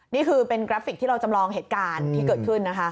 นี่คือเป็นกราฟิกที่เราจำลองเหตุการณ์ที่เกิดขึ้นนะคะ